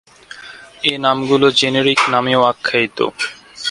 এ নামগুলো জেনেরিক নামেও আখ্যায়িত।